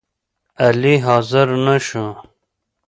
علي حاضر نشو